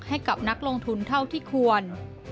ให้กับนักลงทุนเท่าที่ควร